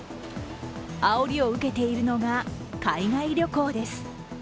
あおりを受けているのが海外旅行です。